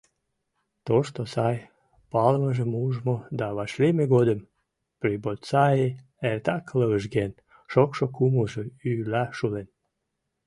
Тошто сай палымыжым ужмо да вашлийме годым Прибоцаи эртак лывыжген, шокшо кумылжо ӱйла шулен.